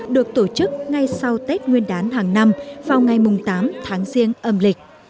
được tổ chức ngay sau tết nguyên đán hàng năm vào ngày tám tháng riêng âm lịch